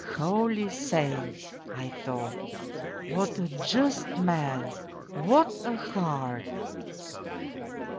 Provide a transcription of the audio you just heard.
' Holy saints !' I thought, ' what a just man 1 What a heart